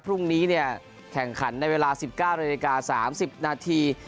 พรุ่งนี้เนี่ยแข่งขันในเวลา๑๙นาฬิกา๓๐นาที